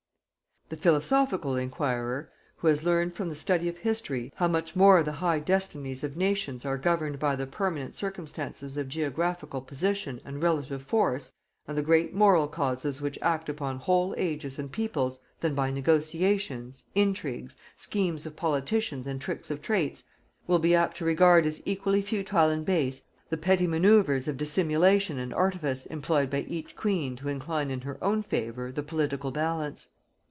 The philosophical inquirer, who has learned from the study of history how much more the high destinies of nations are governed by the permanent circumstances of geographical position and relative force, and the great moral causes which act upon whole ages and peoples, than by negotiations, intrigues, schemes of politicians and tricks of state, will be apt to regard as equally futile and base the petty manoeuvres of dissimulation and artifice employed by each queen to incline in her own favor the political balance.